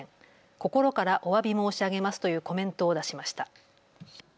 心からおわび申し上げますというコメントを出しました。